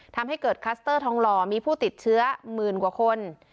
ทำให้เกิดคลัสเตอร์ทองหล่อมีผู้ติดเชื้อหมื่นกว่าคน